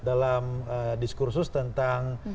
dalam diskursus tentang